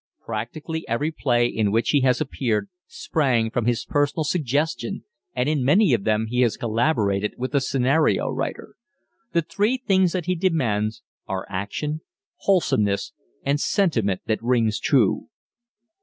Practically every play in which he has appeared sprang from his personal suggestion, and in many of them he has collaborated with the scenario writer. The three things that he demands are Action, Wholesomeness, and Sentiment that rings true.